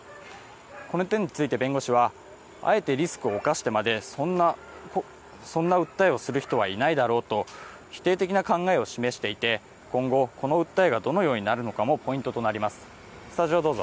この点について弁護士は、あえてリスクを冒してまでそんな訴えをする人はいないだろうと否定的な考えを示していて今後この訴えがどのようになるのかもポイントになります。